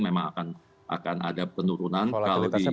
memang akan ada penurunan kalau di benefit dari hasilnya